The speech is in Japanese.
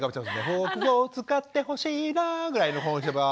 「フォークを使ってほしいな」ぐらいのほうにすれば。